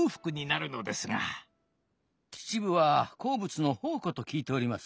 秩父は鉱物の宝庫と聞いております。